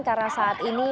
karena saat ini